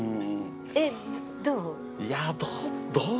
えっどう？